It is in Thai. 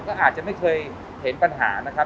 ก็อาจจะไม่เคยเห็นปัญหานะครับ